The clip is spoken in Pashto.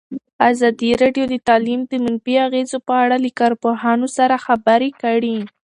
ازادي راډیو د تعلیم د منفي اغېزو په اړه له کارپوهانو سره خبرې کړي.